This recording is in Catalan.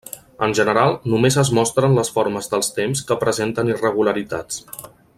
En general només es mostren les formes dels temps que presenten irregularitats.